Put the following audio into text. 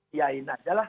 biayain aja lah